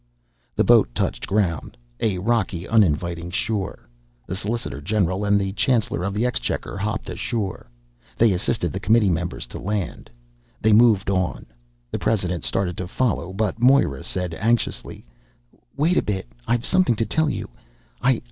The boat touched ground a rocky, uninviting shore. The solicitor general and the Chancellor of the Exchequer hopped ashore. They assisted the committee members to land. They moved on. The president started to follow but Moira said anxiously: "Wait a bit. I've something to tell you. I